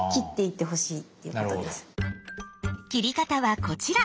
切り方はこちら。